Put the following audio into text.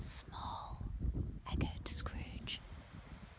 "Small!" echoed Scrooge.